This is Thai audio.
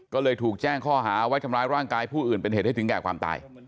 ก็เลยถูกแจ้งข้อหาไว้ทำร้ายร่างกายผู้อื่นเป็นเหตุให้ถึงแก่ความตาย